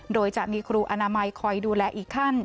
โดยจะมีครูอนามัยคอยดูแลอีกขั้น